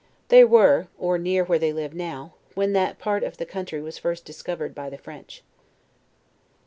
They were, or near where they now live, when that part of the country was first discovered by the French.